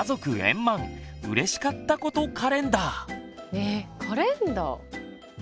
えっカレンダー。